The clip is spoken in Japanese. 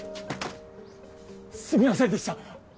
すみませんでした。